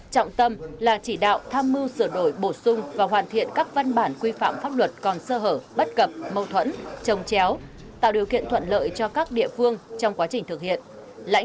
trọng tâm là chỉ đạo tham mưu sửa đổi bổ sung và hoàn thiện các văn bản quy phạm pháp luật còn sơ hở bất cập mâu thuẫn trồng chéo tạo điều kiện thuận lợi cho các địa phương trong quá trình thực hiện